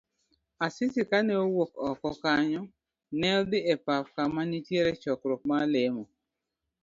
Asisi kane owuok oko kanyo, ne odhi e pap kama nenitiere chokruok mar lemo.